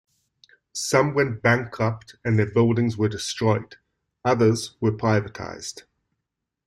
Some went bankrupt and their buildings were destroyed; others were privatized.